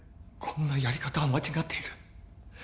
こんなやり方は間違っている